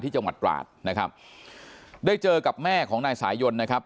จังหวัดตราดนะครับได้เจอกับแม่ของนายสายยนนะครับ